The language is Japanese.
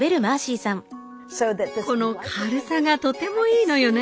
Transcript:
この軽さがとてもいいのよね。